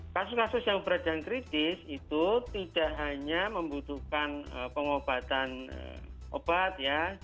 kasus kasus yang berat dan kritis itu tidak hanya membutuhkan pengobatan obat ya